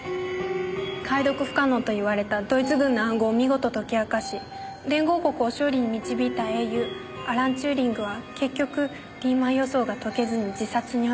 解読不可能といわれたドイツ軍の暗号を見事解き明かし連合国を勝利に導いた英雄アラン・チューリングは結局リーマン予想が解けずに自殺に追い込まれた。